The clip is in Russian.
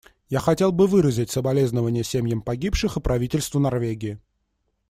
Я хотел бы выразить соболезнование семьям погибших и правительству Норвегии.